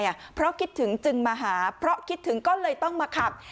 เพราะคิดถึงจึงมาหาเพราะคิดถึงก็เลยต้องมาขับ